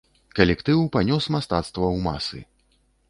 Калектыў панёс мастацтва ў масы.